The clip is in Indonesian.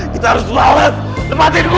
kita harus bales